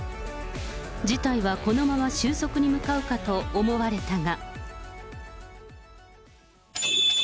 事態はこのまま収束に向かうかと思われたが。